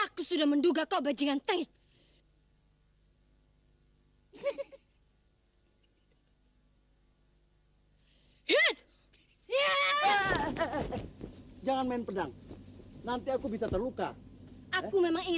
komen jok lagi